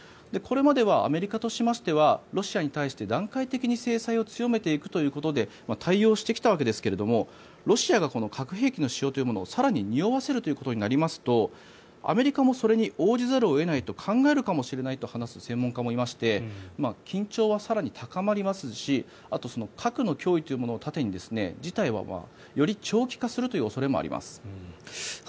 これまではアメリカとしましてはロシアに対して段階的に制裁を強めていくということで対応してきたわけですがロシアが核兵器の使用というものを更ににおわせるということになりますとアメリカもそれに応じざるを得ないと考えるかもしれないと話す専門家もいまして緊張は更に高まりますし核の脅威というものを盾に事態は、より長期化するという恐れもあります。